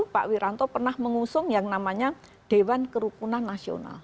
pak wiranto pernah mengusung yang namanya dewan kerukunan nasional